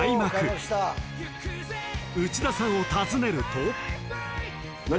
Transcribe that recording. ［内田さんを訪ねると］